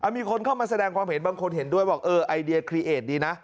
มีคนเข้ามาแสดงความเห็นบางคนเห็นด้วยบอกเออไอเดียคลีเอดดีนะ